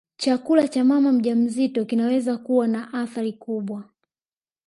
chakula cha mama mjamzito kinaweza kuwa na athari kubwa